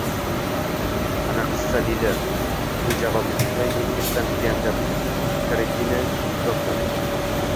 – Anaqqisa… – deydi u javobni kutmay, – Men ketsam degandim, Katerina Petrovna.